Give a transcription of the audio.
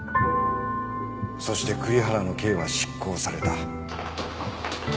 そして栗原の刑は執行された。